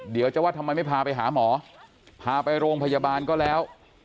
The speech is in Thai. เดี๋ยวจะว่าทำไมไม่พาไปหาหมอพาไปโรงพยาบาลก็แล้ว